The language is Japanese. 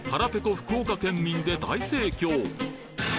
福岡県民で大盛況！